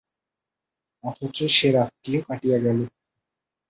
অথচ সে রাত্রিও কাটিয়া গেল।